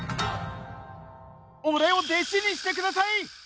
俺を弟子にしてください！